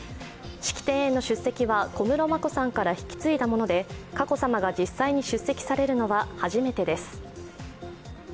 式典への出席は小室眞子さんから引き継いだもので佳子さまが実際に出席されるのは初めてです。